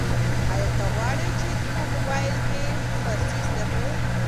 ایا ته غواړې چي په موبایل کي فارسي زده کړې؟